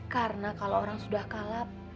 karena kalau orang sudah kalap